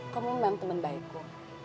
kamu memang temen baikku